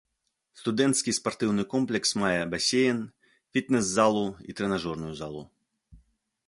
Студэнцкі спартыўны комплекс мае басейн, фітнес-залу і трэнажорную залу.